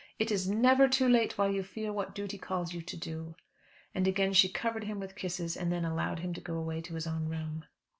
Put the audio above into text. It is never too late while you feel what duty calls you to do." And again she covered him with kisses, and then allowed him to go away to his own room.